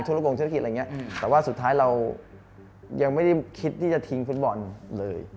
ลูกวงธุรกิจอะไรอย่างนี้แต่ว่าสุดท้ายเรายังไม่ได้คิดที่จะทิ้งฟุตบอลเลย